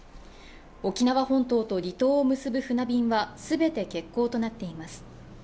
沖縄本島と離島を結ぶ船便は全て欠航となっています。